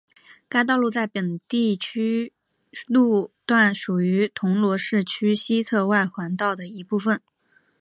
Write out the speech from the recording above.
该道路在本地区路段属于铜锣市区西侧外环道的一部分。